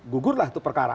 gugurlah itu perkara